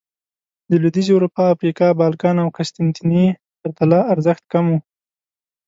د لوېدیځې اروپا، افریقا، بالکان او قسطنطنیې پرتله ارزښت کم و